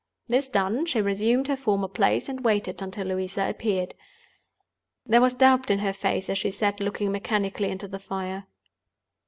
This done, she resumed her former place, and waited until Louisa appeared. There was doubt in her face as she sat looking mechanically into the fire.